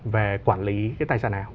về quản lý cái tài sản nào